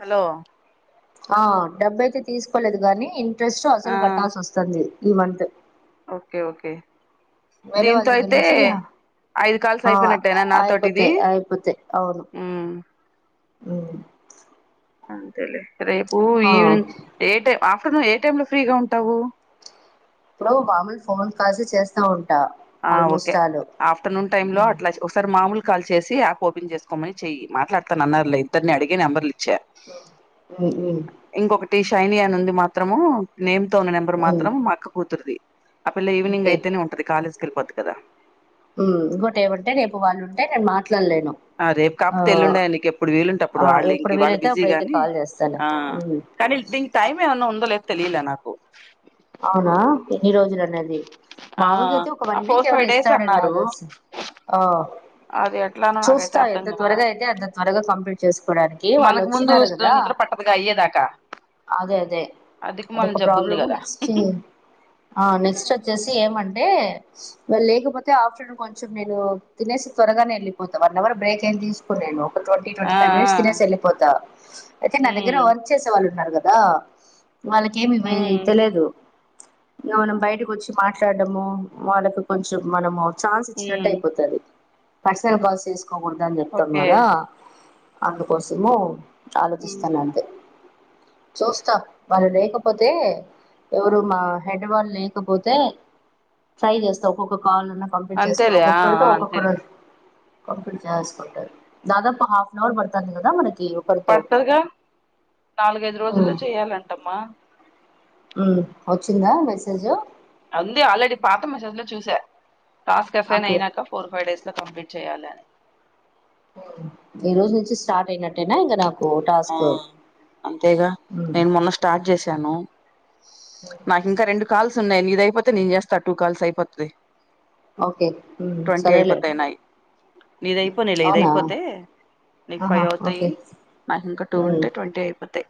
Hello ఆ డబ్బైతే తీసుకోలేదు గాని ఇంట్రెస్ట్ ఆ అసలు కట్టాల్సి వస్తుంది ఈ మంత్ ఓకే ఓకే వేరే వాళ్ళ దీంతో దగ్గర అయితే నుంచి ఐదు కాల్స్ ఆ అయిపోయినట్టేనా నాతోటి ఇది అయిపోతాయి మ్ ఊ మ్ అంతేలే రేపు ఈవినింగ్ ఏ టై ఆఫ్టర్నూన్ ఏ టైమ్ లో ఫ్రీగా ఉంటావు ఇప్పుడు మాములు ఫోన్ కాల్స్ చేస్తా ఉ ఆ ఓకే ఆఫ్టర్నూన్ టైమ్ లో మ్మ్ అట్లా ఒకసారి మామూలు కాల్ చేస్ సి యాప్ ఓపెన్ చేసుకోమని చెయి మాట్లాడుతా అన్నారు ఇద్దరిని అడిగి నంబర్లు ఉమ్ ఉమ్ ఇంకొకటి షైని అని ఉంది మాత్రము నేమ్ తో ఉన్న నెంబర్ మ్మ్ మాత్రం మా అక్క కూతురుది ఆ పిల్ల ఈవినింగ్ ఓకే అయితేనేంటంది కాలేజ్ కి వెళ్ళిపోద్ది కదా ఉమ్ ఇంకోటి ఏమంటే. రేపు వాళ్ళు ఉంటే నేను మాట్లాడ్లేను. ఆ రేపు కాపోతే ఎల్లుండే, నీకేప్పుడు వీలుంటప్పుడు, ఆ వాళ్ళు ఎప్పుడు ఇంక వాళ్ళ వీలైతే బిజీ అప్పుడైతే గాని. కాల్ చేస్తాలే ఆ మ్మ్ కానీ దిల్ దీనికి టైం ఏమన్నా ఉందో లేదో తెలిలే నాకు. అవునా ఎన్ని రోజులు అనేది. ఆ మామూలుగా అయితే ఒక ఆ వన్ వీక్ ఫోర్ ఎమన్నా ఫైవ్ డేస్ ఇస్తాడన్ నాకు అన్నారు తెలిస్. ఆ అది ఎట్లానో నాకైతే చూస్తా అర్థం ఎంత కాల త్వరగా అయితే, అంత త్వరగా కంప్లీట్ చేసుకోవడానికి. వాళ్ మనకు ముందు వచ్చినారు గాదా. నిద్ర పట్టదుగా అయ్యే దాకా అదే అదే అదొక ఉంది ప్రాబ్లమ్ కదా నెక్స్ట్ ఆ నెక్స్ట్ వచ్చేసి ఏమంట్ టే వాలేకపోతే, ఆఫ్టర్నూన్ కొంచెం నేను తినేసి త్వరగా నే వెళ్ళిపోతా. వన్ అవర్ బ్రేక్ అయిత్ ఈ దిసుకొనేను ఒక ట్వంటీ ఆ ట్వంటీ ఫైవ్ ఆ మినిట్స్ తినేసి వెళ్ళిపోతా. అయితే నా దగ్గర ఉమ్ వర్క్ చేసే వాళ్ళు ఉన్నారుగా. దా ఉమ్ వాళ్లకేమీవేల్ తెలియదు ఇంగా మనం బయటకు వచ్చి మాట్లాడము, వాళ్లకు కొంచెం మనము ఛాన్స్ ఇచ్చినట్టు ఉమ్ అయిపోతది. పర్సనల్స్ కాల్స్ చేసుకోకూడదు అని చెప్తాం ఓకే కదా. అందుకోసము ఉమ్ ఆలోచిస్తాన అంతే చూస్తా వాళ్ళు లేకపోతే ఎవరు మా హెడ్ వాళ్ళు లేకపోతే. ట్రై చేస్తా ఒక్కొక్ కాల్లన్నా కంప్లీట్ చేసుకో, అంతేలే ఆ ఒక్కొక్కరితో ఆ అంతేలే ఒక్కొక్కరోజు. కంప్లీట్ చేస్కుంటారు. దాదాపు హాఫ్ ఆన్ అవర్ పడ్తాంది గదా. మనక్ పడ్తదిగా నాలుగైదు రోజుల్లో ఉమ్, చేయాలంటమ్మా. ఉమ్ వచ్చిందా? మెసేజ్ అంది ఆల్రెడీ పాత మెసేజ్ లో చూసా, టాస్క్ అసైన్ ఓకే అయినాక ఫోర్, ఫైవ్ డేస్ లో కంప్లీట్ చెయ్యాలని ఓ ఈరోజు నుంచి స్టార్ట్ అయినట్టేనా ఇంగ నాక్ ఆ అంతేగా, ఉమ్. నేను మొన్న స్టార్ట్ చేస్ సాను నాకు ఇంకా రెండు కాల్స్ ఉన్నాయి. నీది అయిపోతే నేను చేస్తా, టూ కాల్స్ అయిపోత్ది. ఓకే ఉమ్ సరేలేే నీది అయిపోనీలే, ఇది అయిపోతే నీకు ఆహా ఫైవ్ ఓకే అవుతాయి. నాకు ఇంకా టూ ఉమ్ ఉంటే ట్వంటీ అయిపోతాయ్.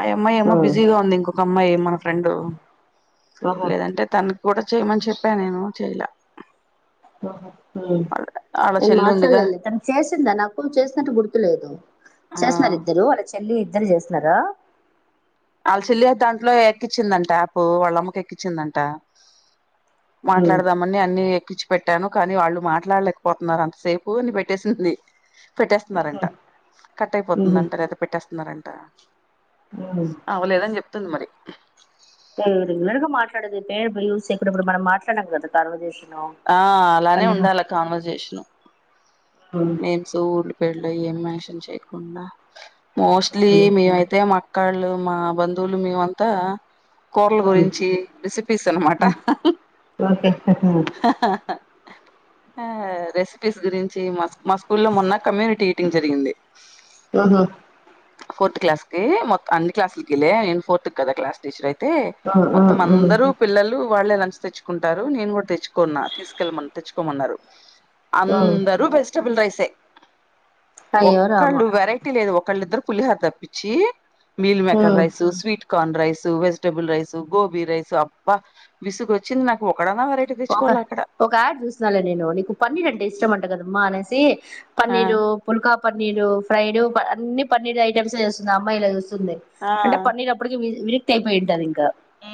ఆయ్ అమ్మాయి ఏమో ఉమ్ బిజీగా ఉంది. ఇంకొక అమ్మాయి మన ఫ్రెండు ఆహా లేదంటే, తన్నీ కూడా చేయమని చెప్పా నేను చెయ్యలా. ఆహ ఉహ్ నేను చెల్లి ఉందిగా మాట్లాడలేద్లే తను చేసిందా నాకు. చేసినట్టు గుర్తులేదు. ఆ చేసినారా ఇద్దరూ, వాళ్ళ చెల్లి ఇద్దరు చేసినారా. వాళ్ల చెల్లి దాంట్లో ఎక్కించిందంట. యాప్ వాళ్ళ అమ్మకి ఎక్కించిందంట. ఉమ్ మాట్లాడదామని అన్ని ఎక్కించ్ పెట్టాను కానీ వాళ్ళు మాట్లాడలేకపోతున్నార్, అంతసేపు అని పెట్టేసింది. పెట్టేస్తున్నారంట కట్ అయిపోతుంది ఉహు అంట. లేప్త పెట్టేస్తున్నారంట. ఉమ్ ఉమ్ పోలేదని చెప్తుంది మరి వాళ్ళు రెగ్యులర్ గా మాట్లాడేది. పేరు బిల్యూస్ ఇప్పుడు. మనం మాట్లాడ్నం కదా కాన్వర్జేషన్. ఆ అలానే ఉండాల కాన్వర్జేషన్ ఉమ్ మేం సూర్లు పేర్లు ఏమి మెన్షన్ చేయకుండా. మోస్ట్లీ ఉమ్ మేమైతే, మా అక్కళ్ళు, మా బంధువులు, మేమంతా కుర్ల ఉమ్ గురించి రెసిపీస్ అనమాట. ఉమ్ ఓకే అహహా ఆ రెసిపీస్ గురించి, మస్ మా స్కూలో మొన్న కమ్యూనిటీ ఈటింగ్ జరిగింది. ఉహు ఉ ఫోర్త్ క్లాస్కి మొత్ అన్ని క్లాస్కి లే నేను ఫోర్త్ కదా. క్లాస్ టీచర్ అయి తే ఉ మొత్తం. ఉ ఉ అందరు పిల్లలు వాళ్ళే లంచ్ తెచ్చుకుంటారు. నేను కూడా తెచ్చుకోన్నా, తీసుకెళ్ళమన్, తెచ్చుకోమన్నారు. ఉ అందరూ వెజ్టేబుల్ రైస్ యే అయ్యో రామ ఒక్కళ్ళు వెరైటీ లేదు ఒక్కళ్ళు ఇద్దరు పులిహోర తప్పించి మీల్ మేకర్ ఉమ్ rice sweet corn rice vegetable rice gobi rice అబ్బా విసుగు వచ్చింది నాకు ఒకడన్నా వెరైటీ ఒక తెచ్చుకోవాల అక్కడ ఒక ఆడ్ చూసినాలే నేను నీకు పన్నీర్ అంటే ఇష్టం అంట కదమ్మా అనేసి ఆ పన్నీరు పుల్కా పన్నీరు ఫ్రైడ్ అన్ని పన్నీర్ ఐటెమ్స్ే చస్తుంది అమ్మాయిలా చూస్తు ంది ఆ అంటే పన్నీర్ అప్పటికి విరిక్తి అయిపోయింటంది ఇంకా ఆ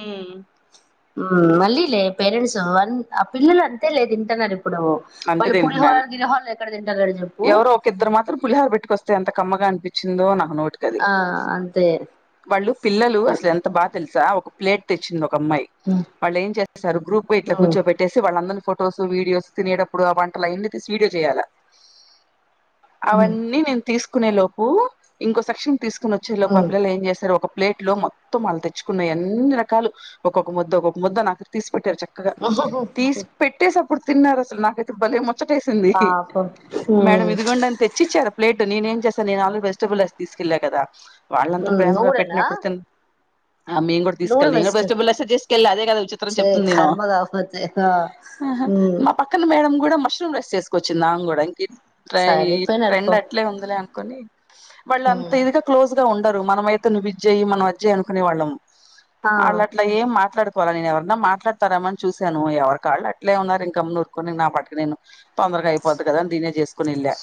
మళ్ళీ లే పేరెంట్స్ అన్ ఆ పిల్లలు అంతే లే తింటాన అంతే తింటున్నారు తింటున్నారు చెప్పు ఎవరు ఒక ఇద్దరు మాత్రం పులిహారు పెట్టుకొస్తే అంత కమ్మగా అంట పించిందో నాకు నోటికి అది ఆ అంతే వాళ్ళు పిల్లలు అసలు ఎంత బాగా తెలుసా ఒక ప్లేట్ తెచ్చింది ఒక అమ్మాయి వాళ్ళు ఏం చేస్తారు గ్రూప్ ఇట్లా కూర్చోెట్టేసి వాళ్ళ అందరిని ఫొటోస్ వీడియోస్ తినేటప్పుడు ఆ వంటలు అన్నిీ తీసి వీడియో చేయాల అవన్నీ నేను తీసుకు తీకునే లోపు ఇంకో సెక్షన్ తీసుకుని వచ్చే లోపు ఆ పిల్ల ఏం చేశారు ఒక ప్లేట్ లో మొత్తం వాళ్ళు తెచ్చుకున్నయి అన్ని రకాలు ఒక్కొక్క ముద్ద ఒక్కొక్క ముద్ద నాకు తీసుకు పెట్టారు చక్కగా తీసి పెట్టేసి అప్పుడు తిన్నారు అసలు నాకైతే భలే మొత్తం ేసింది పాపం మేడం ఇదిగండని తెచ్చి ఇచ్చారుా ప్లేట్ నేను ఏం చేస్తాను నేను ఆల్రెీ వెజిటబుల్ అస్ తీసుకెళ్ళ కదా వాళ్ళంత నువ్వు ప్రేమగా కూడానా పెట్టినప్పుడు త ఆ మేము కూడా నువ్వు తీసుకెళ్ళి నేను కూడా వెస్ట్ ఫస్లా సజెస్ట్ వెళ్ి అదే కదా చిిత్రం చే చెప్తుంది నేను కర్మ కాకపోతే ఆ ఉమ్ మా పక్కన మేడం కూడా మష్రూమ్ రెస్ట్ చేసుకొచ్చిందాం కూడా ఈ సరిపోయినారు పో ట్రెండ్ అట్లే ఉందిలే అనుకని వాళ్ళు అంత ఉమ్ ఇదిగా క్లోజ్ గా ఉ మన అయితే నువ్వు విజ్యయి మనం అజయ్ అనుకునే వాళ్ళము ఆ వాళ్ళ అట్లా ఏం మాట్లాడుత కోవాల నేను ఎవరైనా మాట్లాడతారామని చూసాను ఎవరి కాళ్ళు అట్లే ఉన్నారు ఇంకా నఊరుకొని నా పటికి నేను తొందరగా అయిపోద్ది కదా అని దీనే చేసుకుని వెళ్లే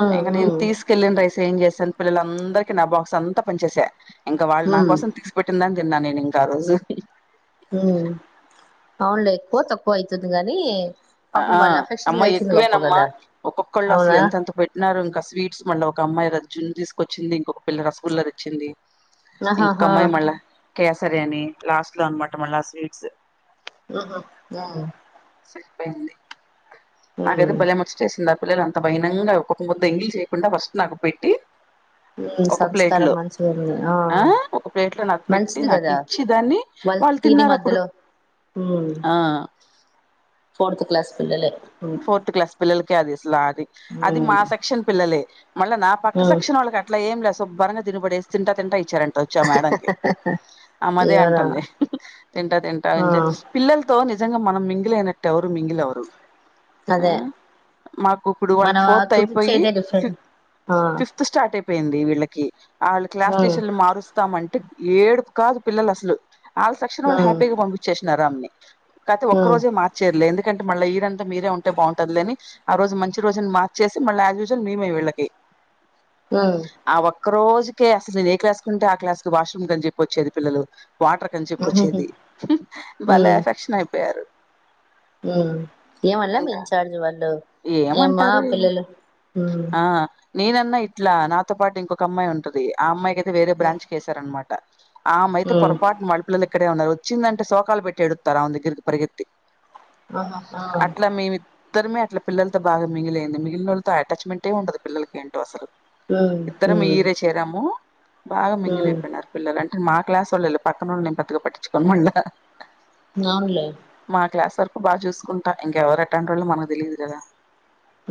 ఉమ్ ఇంక నేను ఉమ్ తీసుకెళ్లిిన రై ఏం చేస్తాను పిల్లలందరిక నా బాక్స్ అంతాని చేసే ఇంకా వాళ్ళు నా ఉమ్ కోసం తీిసి పెట్టింద తిన్నా నేను ఇంకా ఆ రోజు ఉ అవునులే ఎక్కువ తక్కువ అవుతుంది గానీ ఆ అమ్మా ఎక్కువేనమ్మా ఒక్కొక్కళ్ళు అసలు అవునా ఎంతెంత పెట్టినారు ఇంకా స్వీట్స్ మళ్ళా ఒక అమ్మాయి రజున్ తీకచ్చింది ఇంకొ పిల్ల రసుగుల్ల ర వచ్చింది ఇంకొక ఆహాహా అమ్మాయి మళ్ళా కేసర్ అని లాస్ట్ లో అనమాట మళ్ళా స్వీట్స్ ఏ సరిపోయింది ఉమ్ నాకైతే ఉమ్ భల వచ్చటేసింది ఆ పిల్లల అంతా భైనంగా ఒకొక్క ముద్ద ఎంగిలి చేయకుండా ఫస్ట్ నాకు పెట్టి ఉమ్ ఒక ప్లేట్ సంస్కారం లో మంచిగా ఉంది ఆ ఒక ప్లేట్ లో నాకు పెట్టి నాకు ఇచ్చి దాన్ని వాల్ వాళ్ళు తని తిన్నారు అప్పుడు మధ్యలో ఆ ఫోర్త్ క్లాస్ పిల్లలే ఉమ్ ఫోర్త్ క్లాస్ పిల్లలకే అది ఇసలా అది అది ఉమ్ మా సెక్షన్ పిల్లలే మళ్ళా నా పక్క ఉమ్ సెక్షన్ వాళ్ళకి అట్లా ఏం లేదు స బరంగా దినబడేసి తింటా తింటా ఇచ్చారంట వచ్చా మేడంకి అమదే ఎవరా అంటుంది తింటా తింటా ఆ పిల్లలతో నిజ నిజంగా మనం మింగిలినట్టు ఎవరు మింగిలి ఎవరు అదే మాకు ఇప్పుడు వాళ్ళకి మనం ఫోర్త్ అయిపోయి చూపించేదే డిఫరెంట్ ఫిఫ్త్ ఆ ఫిఫ్త్ స్టార్ట్ అయిపో అపోయింది వీళ్ళకి ఆ వాళ్ళు క్లాస్ ఉమ్ టీచర్లు మారుస్తామంటే ఏడుపు కాదు పిల్లలు అసలు వాళ్ళ తక్షణ వాళ్ళు ఉమ్ హ్యాపీగా పంపించేసినారామ్ని అయితే ఒక్క ఉమ్ రోజే మార్చేరలే ఎందుకంటే మళ్ళ ఈరన్ మీరే ఉంటే బాగుంటదిలేని ఆ రోజు మంచి రోజుని మార్చేసి మళ్ీ యాజ్ యూజువల్ మేమే వీళ్ళకి ఆ ఒక రోజుకే అసలు నే ఏ క్లాస్ కుంటే ఆ క్లా కు వాష్రూమ్ కని చెప్పొచ్చేది పల్లు వాటర్ కని చెప్ప ఉహుహు వచ్చేది వాళ్ళ ఎఫెక్షన్ అయిపోయారు ఏ వాల్ల ఇంకా ఇన్చార్జ్ వాళ్ళు ఏమ్మా ఏమంటారు పిల్లలు ఉమ్ ఆ నేనన్నా ఇట్లా నాతో పాటు ఇంకొక అమ్మాయి ఉంటుది ఆ అమ్మాయికియితే వేరే ఉమ్ బ్రాంచ్ క వేసారనమాట ఆమె అయితే ఉమ్ పొరపాటు మళ పిల్లలు ఇక్కడే ఉన్నారు వచ్చిందంటే శోకాలు పెట్టటి ఎడుగుతారు ఆమె దగ్గరికి పరిగెతి ఆహా ఆ ఇద్దరమే అట్ల పిల్లతో బాగా మింగిల్ అయింది మిగిలినళ్లతో అటాచ్మెంటే ఉండదు పిల్లకి ఏంటో అసలు ఉమ్ ఇద్దరం ఉమ్ ఇరే చేరాము బాగా మింగిల్ ఉమ్ అయిపోయినారు పిల్లలు అంటే మా క్లాస్ వాళ్ళోళ్లే పక్కనోళ్ళను నేను పెద్దగా పట్టించుకోను మళ్ళ అవునులే వరకు బాగా చూసుకుంటా ఇంక ఎవరు ఎట్టాంటోల్లో మనకు తెలీయదు కదా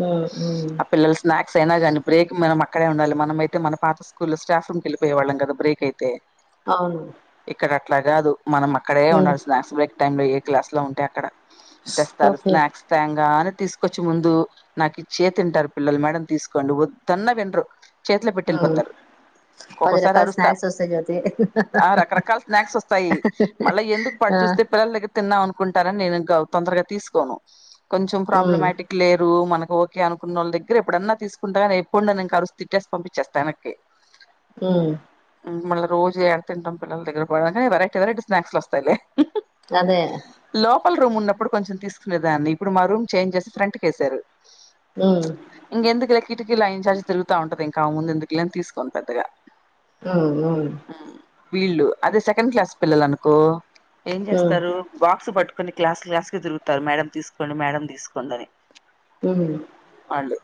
ఉమ్ ఉమ్ ఆ పిల్లలు స్నాక్స్ అయినా గానీ బ్రేక్ మన ఇక్కడే ఉండాలి మనమైతే మన పాత స్కూల్లో స్టాఫ్ వెళ్లిపోయే వాళ్ళం కదా బ్రేక్ అయితే అవును ఇక్కడ అట్లా కాదు మనం అక్కడే ఉమ్ ఉండాలి స్నాక్స్ బ్రేక్ టైమ్ లో ఏ క్లాస్ లో ఉంటే అక్కడ తెస్తారు ఓకే స్నాక్స్ టైం గానే తీసుకొచ్చి ముందు నాకు ఇచ్చే తింటారు పిల్లలు మేడం తీసుకోండి వద్దన్న వినరు చేతిలో పెట్టి ఉమ్ వెళ్ళిపోతారు పది ఒక్కోసారి రకాల అరుస్తా స్నాక్స్ వస్తాయి జ్యోతి ఆ రకరకాల స్నాక్స్ వస్తాయి మళ్ళీ ఎందుకు ప ఆ చూస్తే పిల్లల దగ్గర తిన్నాం అ నేనింకా తొందరగా తీసుకోను కొంచెం ప్రాబ్ల ఉమ్ మ్యాటిక్ లేరు ఓకే అనుకున్న వాళ్ళ దగ్గర ఎప్పుడన్నా తీసుకుంటాగానే ఎప్పుడు కరుస్ తిట్టేసి పంపించేస్తా ఎనక్కి ఉ మల్ల రోజు ఏడ తింటాం పిల్లల దగ్గర కూడా అని వెరైటీ వెరైటీ స్నాక్స్లు వస్తాయిలే అదే వాళ్ళ రూమ్ ఉన్నప్పుడు కొంచెం తీసుకునేదాన్ని ఇప్పుడు మా రూమ్ చేంజ్ చేసి ఫ్రంట్ కేసారు ఉమ్ ఇంగ ఎందుకులే ఫుడ్ కి లైన్ అని తిరుగుతా ఉంటది ఇంకా ఆమె ముందు ఎందుకులే అని తీసుకోను పెద్దగా ఆ ఆ వీళ్లు అదే సెకండ్ క్లాస్ పిల్లలు అనుకో ఏం ఉమ్ చేస్తారు బాక్స్ పట్టు కొనీ క్లాస్ క్లాస్ కి తిరుగుతారు మేడంమ్ తీసుకోండి మేడం తీసుకోండి అని హుమ్ వాళ్ళు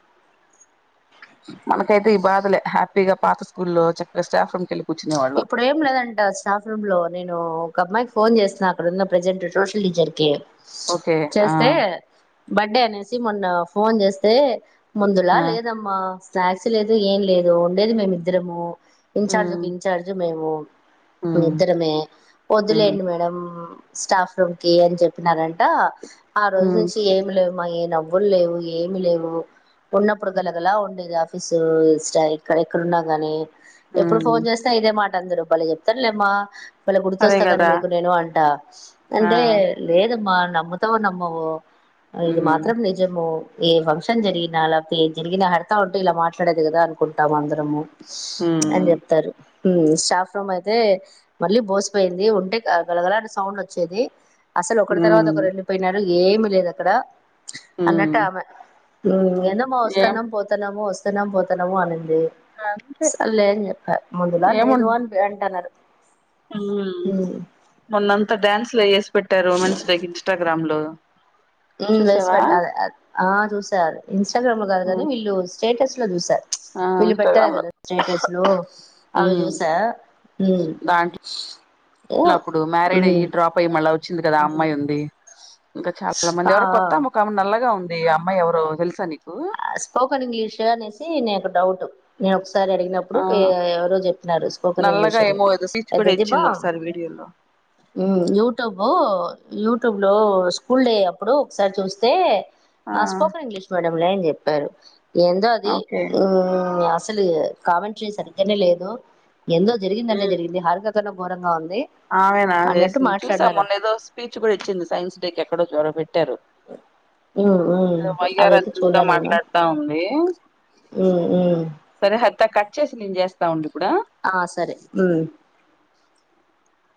మనకైతే ఈ బాధలే హ్యాపీగా పాత స్కూల్లో చక్కగా స్టాఫ్ రూమ్ కెళ్ళి కూర్చునే వాళ్ళం ఇప్పుడు ఏం లేదంట స్టాఫ్ రూమ్ లో నేను ఒక అమ్మాయికి ఫోన్ చేస్తున్నా అక్కడున్న ప్రెజెంట్ సోషల్ టీచర్కి ఓకే ఆ బర్డే అనేసి మొన్న ఫోన్ చేస్తే ముందులా ఆ లేదమ్మా స్నాక్స్ లేదు ఏం లేదు ఉండేది మేమిద్దరము ఇన్చార్జ్ ఒక ఉమ్ ఇన్ఛార్జ్ మేము ఉమ్ ఇద్దరమే ఉమ్ వద్దులేండి మేడం స్టాఫ్ రూమ్ కి అని చెప్పినారంట ఆ రోజు ఉమ్ నుంచి ఏమి లేవు మాయే నవ్వులు లేవు ఏమీ లేవు ఉన్నప్పుడు గలగల ఉండేది ఆఫీసు ఇక్కడ ఎక్కడున్నా గాని ఎప్పుడు ఉమ్ ఫోన్ చేసినా ఇదే మాట అందూరూ భలే చెప్తారులేమ్మా భలే అదే గుర్తొస్తాగాని కదా మీకు నేను అంటా ఆ అంటే లేదమ్మా నమ్ముతావో నమ్మవో ఇది ఉమ్ మాత్రం నిజము ఏ ఫంక్షన్ జరిగినా లేకపోతే ఏ జరిగినా హరిత ఉంటే ఇలా మాట్లాడేది కదా అనుకుంటాం అందరము ఉమ్ అని చెప్తారు స్టాఫ్ రూమ్ అయితే మళ్ళీ బోసిపోయింది ఉంటే గలగలా అని సౌండ్ వచ్చేది అసలు ఒకరి తర్వాత ఉమ్ ఒకరు వెళ్ళిపోయినారు ఏమి లేదు అక్కడ ఉమ్ అన్నట్టు ఆమె ఏందమ్మా ఏం వస్తానమ్మ పోతానము వస్తానమో పోతానము అనిం అంతే సరేలే అని చెప్పా ముందులా లేదు ఏమున్ అని అంటన్నారు మొన్నంతా డ్యాన్స్లే వేసి పెట్టారు ఉమెన్స్ డేకి ఇన్స్టాగ్రామ్ లో ఆవేసి చూసావా అదే అదే ఆ చూసారు అదే ఇన్స్టాగ్రామ్ లో కాదు కానీ వీళ్ళు స్టేటస్ లో చూసా ఆ వీళ్ళు పెట్టారు ఇన్స్టాగ్రామ్ లో కదా స్టేటస్ లో అవి ఉమ్ చూసా మల్ల అప్పుడు మ్యారీడ్ అయ్య డ్రా అయ్యి మళ్ళ వచ్చింది కదా అమ్మాయి ఉంది ఇంకా చాలా మంది ఎవరి కొత్త ఆమె ఒకమె నల్లగా ఉ ది అమ్మాయివరో తెల్సా నీకు స్పోకన్ ఇంగ్లీషు అనేసి నేను ఒక డౌట్ నేను ఒకసారి అడిగినప్పుడు ఆ ఎవరో చెప్పినారు స్పోకెన్ ఇంగ్లీష్ నల్లగా అని ఏమో ఏదో స్పీచ్ కూడా అదేంది బా ఇచ్చింది ఒకసారి వీడియోలో ఉమ్ యూట్యూబు యూట్యూబ్ లో స్కూల్ డే అప్పుడు ఒకసారి చూస్తే ఆ స్పోకన్ ఇంగ్లీష్ మీడియం లే అని చెప్పారు ఏందో అది ఓకే అసలు కామెంట్రీ సరిగ్గానే లేదు ఎందో జరిగిందంటే ఉమ్ జరిగింది హరికకన ఘోరంగా ఉంది ఆమెనా అన్నట్టు చేసింది చూసా మాట్లాడినారు మొన్న ఏదో స్పీచ్ కూడా ఇచ్చింది సైన్స్ డే క ఎక్కడో జ్వర పె ట్టారు మ్మ్ మ్మ్ ఏదో అదైతే వైఆర్ంత ఇంకా మాట్లాడుతా ఉంది ఉమ్ ఉం సరే హరిత కట్ చేసి నేను చేస్తా ఉండు ఇప్పుడు ఆ సరే మ్మ్